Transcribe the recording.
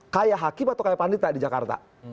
kayak hakim atau kayak panitia di jakarta